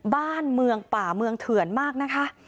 บ้านเมืองป่าเมืองเถื่อนมากนะคะ